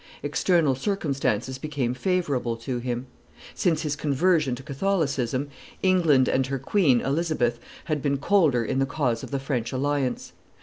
External circumstances became favorable to him. Since his conversion to Catholicism, England and her queen, Elizabeth, had been colder in the cause of the French alliance.